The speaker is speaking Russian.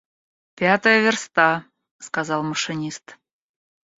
— Пятая верста, — сказал машинист.